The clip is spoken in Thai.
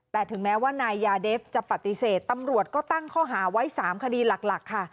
แต่ถึงแม้ว่านายยาเดฟจะปฏิเสธตำรวจก็ตั้งข้อหาไว้๓คดีหลักค่ะ